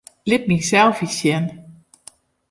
Lit myn selfies sjen.